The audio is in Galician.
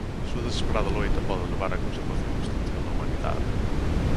A súa desesperada loita pode levar á conservación ou extinción da humanidade.